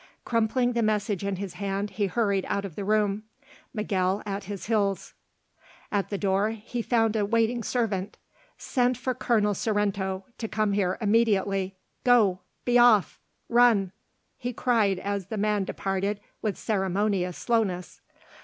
Crumpling the message in his hand he hurried out of the room, Miguel at his heels. At the door he found a waiting servant. "Send for Colonel Sorrento, to come here immediately. Go! be off! Run!" he cried as the man departed with ceremonious slowness.